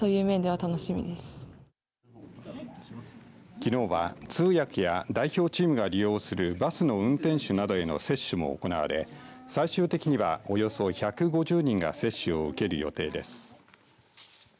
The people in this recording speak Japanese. きのうは通訳や代表チームが利用するバスの運転手などへの接種も行われ最終的にはおよそ１５０人が接種を受ける予定です。